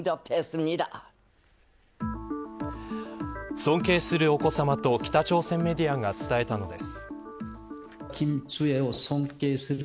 尊敬するお子さまと北朝鮮メディアが伝えたのです。